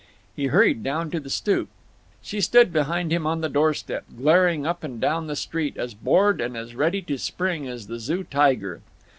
He hurried down to the stoop. She stood behind him on the door step, glaring up and down the street, as bored and as ready to spring as the Zoo tiger.